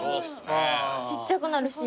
ちっちゃくなるし。